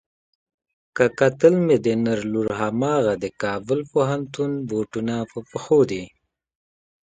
که کتل مې د نر لور هماغه د کابل پوهنتون بوټونه په پښو دي.